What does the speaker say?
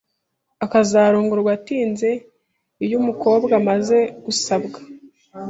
akazarongorwa atinze Iyo umukobwa amaze gusabwa